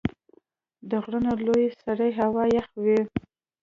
د غرونو لوړې سرې هوا یخ وي.